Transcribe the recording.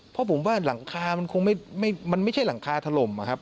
เพราะผมว่าหลังคามันคงมันไม่ใช่หลังคาถล่มอะครับ